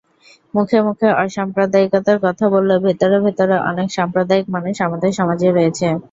মুখে মুখে অসাম্প্রদায়িকতার কথা বললেও ভেতরে-ভেতরে অনেক সাম্প্রদায়িক মানুষ আমাদের সমাজে রয়েছে।